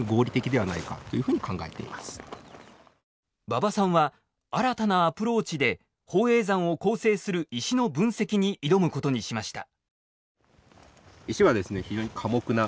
馬場さんは新たなアプローチで宝永山を構成する石の分析に挑むことにしました。